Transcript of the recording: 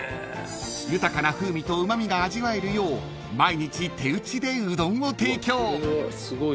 ［豊かな風味とうま味が味わえるよう毎日手打ちでうどんを提供］